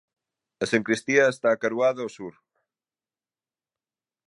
A sancristía está acaroada ao sur.